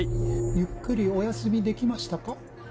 ゆっくりお休みできましたか？